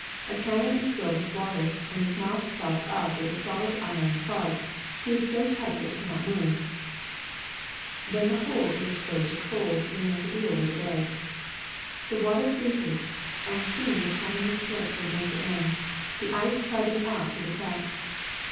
A cannon is filled with water and its mouth stopped up with a solid iron plug screwed so tight that it cannot move. Then the whole is ex posed to the cold during a severe winter day. The water freezes and soon the cannon is split from end to end, the ice crowding out through the cracks.